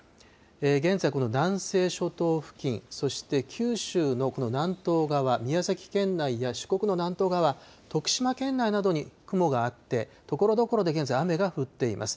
現在、この南西諸島付近、そして九州のこの南東側、宮崎県内や四国の南東側、徳島県内などに雲があって、ところどころで現在、雨が降っています。